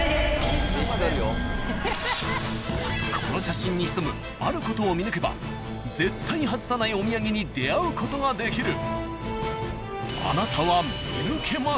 ［この写真に潜むあることを見抜けば絶対外さないお土産に出合うことができる］